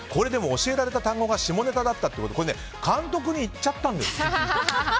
教えられた単語が下ネタだったって監督に言っちゃったんです。